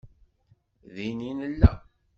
Din i nella